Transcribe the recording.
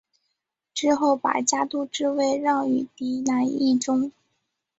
之后把家督之位让与嫡男义忠。